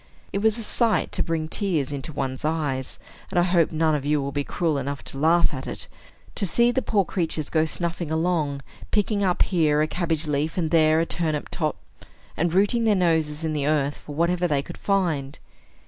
It was a sight to bring tears into one's eyes (and I hope none of you will be cruel enough to laugh at it), to see the poor creatures go snuffing along, picking up here a cabbage leaf and there a turnip top, and rooting their noses in the earth for whatever they could find.